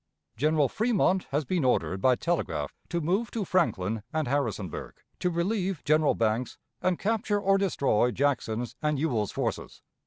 "General Fremont has been ordered by telegraph to move to Franklin and Harrisonburg to relieve General Banks and capture or destroy Jackson's and Ewell's forces.